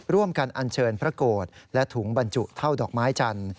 อันเชิญพระโกรธและถุงบรรจุเท่าดอกไม้จันทร์